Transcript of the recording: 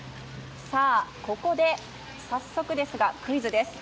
ここで早速ですがクイズです。